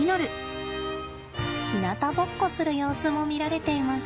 ひなたぼっこする様子も見られています。